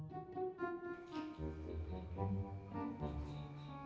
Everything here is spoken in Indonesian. nyah buka pintunya